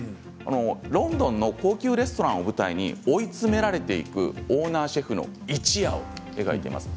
ロンドンの高級レストランを舞台に追い詰められていくオーナーシェフの一夜を描いています。